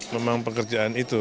memang pekerjaan itu